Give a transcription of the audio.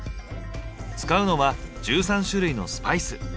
使うのは１３種類のスパイス。